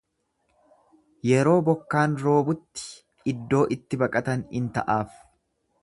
Yeroo bokkaan roobutti iddoo itti baqatan in ta'aaf.